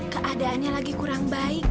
keadaannya lagi kurang baik